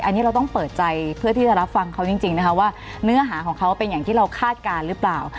อันนี้เราต้องเปิดใจเพื่อที่จะรับฟังเขาจริงนะคะว่าเนื้อหาของเขาเป็นอย่างที่เราคาดการณ์หรือเปล่า